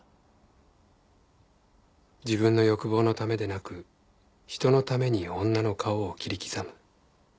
自分の欲望のためでなく人のために女の顔を切り刻む。